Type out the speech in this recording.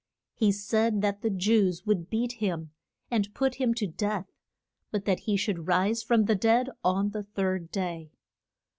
He said that the Jews would beat him and put him to death, but that he should rise from the dead on the third day.